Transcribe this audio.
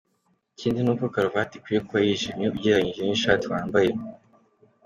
Ikindi ni uko karuvati ikwiye kuba yijimye ugereranyije n’ishati wambaye.